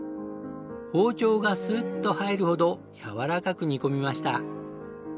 包丁がスッと入るほどやわらかく煮込みました。